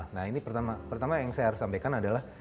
nah ini pertama yang saya harus sampaikan adalah